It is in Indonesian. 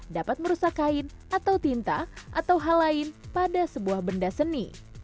dapat merusak kain atau tinta atau hal lain pada sebuah benda seni